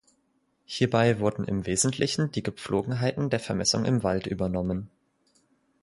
Hierbei wurden im Wesentlichen die Gepflogenheiten der Vermessung im Wald übernommen.